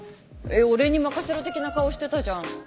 俺に任せろ的な顔してたじゃん。